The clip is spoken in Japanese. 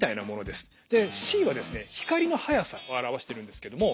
でｃはですね光の速さを表してるんですけども。